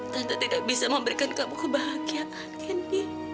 tante tidak bisa memberikan kamu kebahagiaan ini